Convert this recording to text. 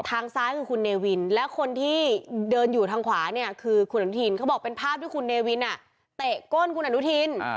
ทางซ้ายคือคุณเนวินแล้วคนที่เดินอยู่ทางขวาเนี่ยคือคุณอนุทินเขาบอกเป็นภาพที่คุณเนวินเตะก้นคุณอนุทิน